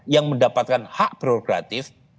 yang mendapatkan hak prerogatif